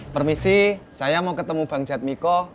permisi saya mau ketemu bang jadmiko